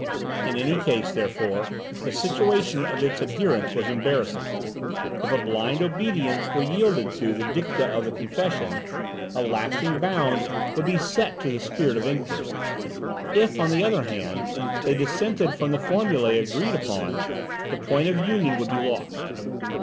In any case, therefore, the situation of its adherents was embarrassing. If a blind obedience were yielded to the dicta of the Confession, a lasting bound would be set to the spirit of inquiry; if, on the other hand, they dissented from the formulae agreed upon, the point of union would be lost.